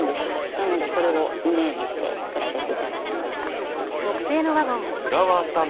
なのでそれをイメージして作らせて頂きました。